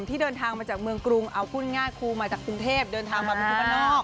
ที่เดินทางมาจากเมืองกรุงเอาพูดง่ายครูมาจากกรุงเทพเดินทางมาเป็นคนบ้านนอก